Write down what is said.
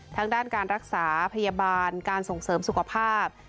ทางด้านการรักษาพยาบาลการส่งเสริมสุขภาพ